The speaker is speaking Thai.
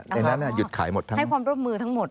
ในนั้นหยุดขายหมดทั้งให้ความร่วมมือทั้งหมด